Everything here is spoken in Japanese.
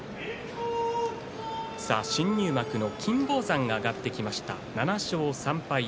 新入幕の金峰山が上がってきました、７勝３敗。